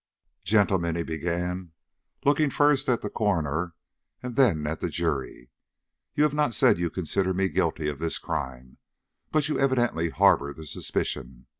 "Gentlemen," he began, looking first at the coroner and then at the jury, "you have not said you consider me guilty of this crime, but you evidently harbor the suspicion.